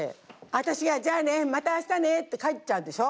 私が「じゃあねまた明日ね」って帰っちゃうでしょ。